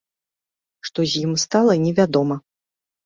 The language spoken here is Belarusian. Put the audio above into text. Што з ім стала, невядома.